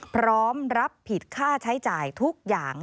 พร้อมรับผิดค่าใช้จ่ายทุกอย่าง